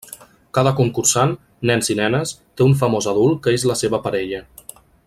Cada concursant, nens i nenes, té un famós adult que és la seva parella.